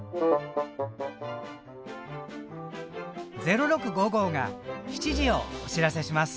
「０６」が７時をお知らせします。